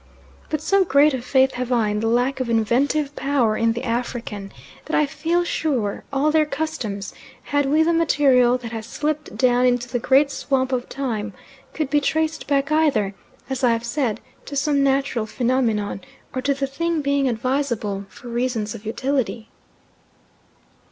But so great a faith have I in the lack of inventive power in the African, that I feel sure all their customs, had we the material that has slipped down into the great swamp of time, could be traced back either, as I have said, to some natural phenomenon, or to the thing being advisable, for reasons of utility.